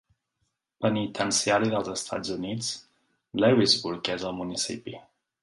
Penitenciari dels Estats Units, Lewisburg és al municipi.